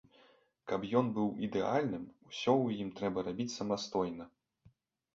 Каб ён быў ідэальным, усё ў ім трэба рабіць самастойна.